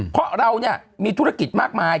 เพราะเรามีธุรกิจมากมาย